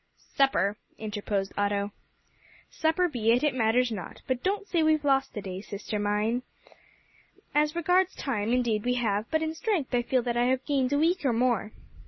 "Supper," interposed Otto. "Supper be it; it matters not. But don't say we've lost a day, sister mine. As regards time, indeed, we have; but in strength I feel that I have gained a week or more."